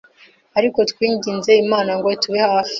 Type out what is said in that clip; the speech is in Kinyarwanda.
ariko twinginze Imana ngo itube hafi,